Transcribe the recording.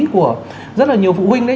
của rất là nhiều phụ huynh đấy